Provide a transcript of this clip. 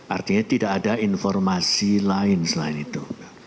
artinya tidak ada informasi lain selain itu